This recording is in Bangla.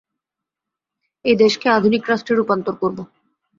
এই দেশকে আধুনিক রাষ্ট্রে রূপান্তর করব।